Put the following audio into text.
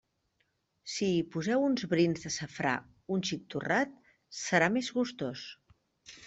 Si hi poseu uns brins de safrà un xic torrat, serà més gustós.